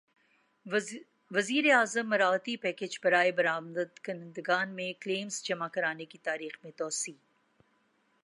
وزیر اعظم مراعاتی پیکج برائے برامد کنندگان میں کلیمز جمع کرانے کی تاریخ میں توسیع